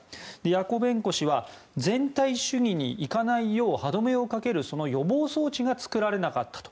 ヤコベンコ氏は全体主義に行かないよう歯止めをかける予防装置が作られなかったと。